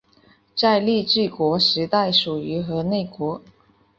在令制国时代属于河内国。